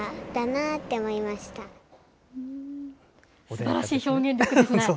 すばらしい表現力ですね。